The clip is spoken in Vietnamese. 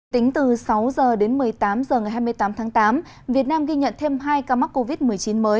tính từ sáu h đến một mươi tám h ngày hai mươi tám tháng tám việt nam ghi nhận thêm hai ca mắc covid một mươi chín mới